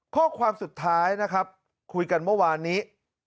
ข้อความสุดท้ายนะครับคุยกันเมื่อวานนี้